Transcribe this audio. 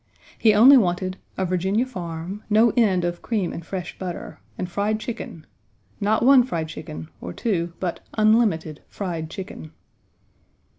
He only wanted "a Virginia farm, no end of cream and fresh butter and fried chicken not one fried chicken, or two, but unlimited fried chicken."